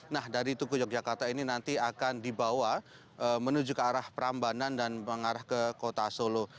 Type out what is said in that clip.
nah dari tugu yogyakarta ini nanti akan dibawa menuju ke arah perambanan dan mengarah ke kota solo